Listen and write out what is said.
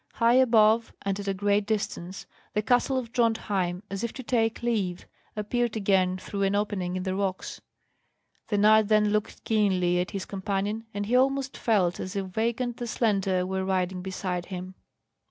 High above, and at a great distance, the castle of Drontheim, as if to take leave, appeared again through an opening in the rocks. The knight then looked keenly at his companion, and he almost felt as if Weigand the Slender were riding beside him.